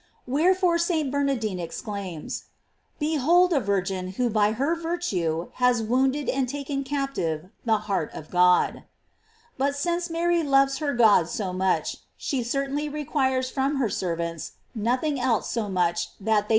§ Wherefore St. Bernardine ex< claims: Behold a Virgin who by her virtue has wounded and taken captive the heart of God.| But since Mary loves her God so much, she certainly requires from her servants nothing else so much as that they should love God as * To.